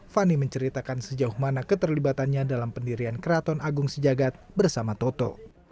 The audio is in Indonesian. fani menceritakan sejauh mana keterlibatannya dalam pendirian keraton agung sejagat bersama toto